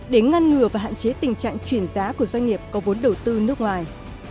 để ngăn ngừa và hạn chế tình trạng chuyển giá của doanh nghiệp có vốn đầu tư nước ngoài